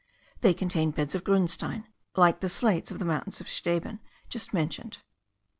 They contain beds of grunstein, like the slates of the mountains of Steben just mentioned.